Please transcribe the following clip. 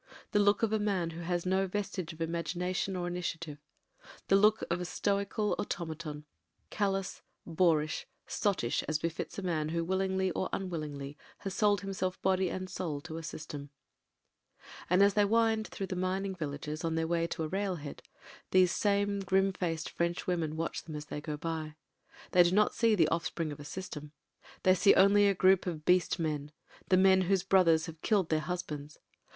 The look of a man who has no vestige of imagination or initiative; the look of a stoical automaton; callous, boorish, sottish as befits a man who willingly or unwillingly has sold himself body and soul to a system. ON THE STAFF 297 And as they wind through the mining villages on their way to a railhead, these same grim faced French women watch them as they go by. They do not see the offspring of a system; they only see a group of beast men — the men whose brothers have killed their husbands.